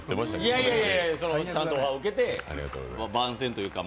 いやいや、ちゃんと受けて番宣というか。